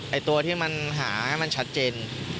ตัวที่มันหาให้มันชัดเจน